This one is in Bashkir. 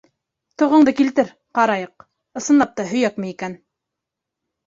Тоғоңдо килтер, ҡарайыҡ, ысынлап та һөйәкме икән.